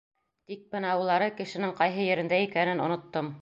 Тик бына улары кешенең ҡайһы ерендә икәнен оноттом.